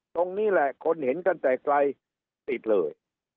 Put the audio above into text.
ตรงนี้แหละคนเห็นกันแต่ไกลติดเลย